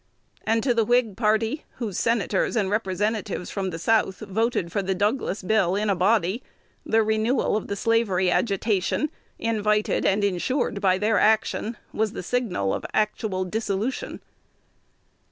And to the Whig party, whose Senators and Representatives from the South voted for the Douglas Bill in a body, the renewal of the slavery agitation, invited and insured by their action, was the signal of actual dissolution.